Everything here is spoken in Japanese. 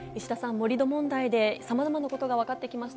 盛り土問題でさまざまなことがわかってきました。